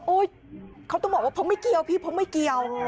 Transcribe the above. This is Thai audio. โอ๊ยเขาต้องบอกว่าพวกไม่เกียวพี่พวกไม่เกียว